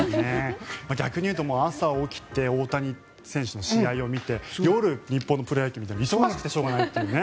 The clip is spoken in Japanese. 逆にいうと朝起きて大谷選手の試合を見て夜、日本のプロ野球を見て忙しくてしょうがないというね。